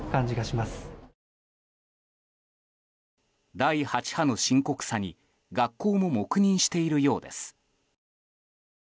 第８波の深刻さに学校も黙認しているようです。